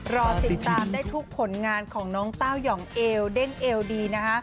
รอติดตามได้ทุกผลงานของน้องเต้ายองเอวเด้งเอวดีนะคะ